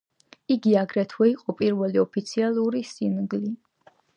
იგი აგრეთვე იყო პირველი ოფიციალური სინგლი.